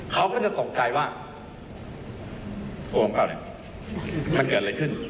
เขาก็จะตกใจว่าโอ้มันเกิดอะไรขึ้น